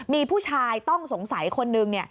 มีผู้ชายต้องสงสัยคนหนึ่ง